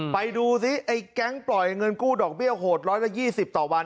ไปดูซิไอ้แก๊งปล่อยเงินกู้ดอกเบี้ยโหด๑๒๐ต่อวัน